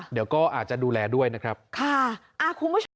เดี๋ยวก็อาจจะดูแลด้วยนะครับค่ะคุณผู้ชม